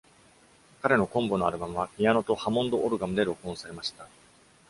彼のコンボのアルバムは、ピアノとハモンドオルガンで録音されました。